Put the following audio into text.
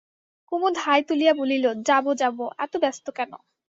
কুমুদ হাই তুলিয়া বলিল, যাব যাব, এত ব্যস্ত কেন?